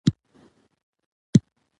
بادام د افغانستان د صنعت لپاره مواد برابروي.